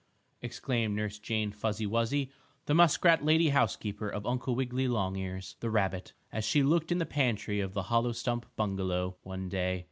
exclaimed Nurse Jane Fuzzy Wuzzy, the muskrat lady housekeeper of Uncle Wiggily Longears, the rabbit, as she looked in the pantry of the hollow stump bungalow one day.